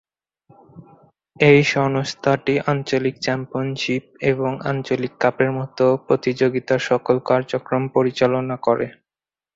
এই সংস্থাটি আঞ্চলিক চ্যাম্পিয়নশিপ এবং আঞ্চলিক কাপের মতো প্রতিযোগিতার সকল কার্যক্রম পরিচালনা করে।